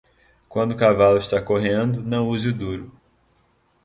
Quando o cavalo está correndo, não use o duro.